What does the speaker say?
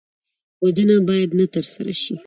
وژنه باید نه ترسره شي